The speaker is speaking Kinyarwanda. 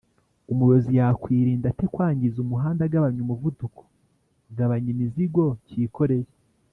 umuyobozi yakwirinda ate kwangiza umuhanda -agabanya umuvuduko ,gabanya imizigo Cyikoreye